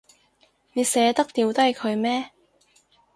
你捨得掉低佢咩？